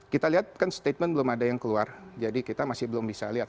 kita lihat kan statement belum ada yang keluar jadi kita masih belum bisa lihat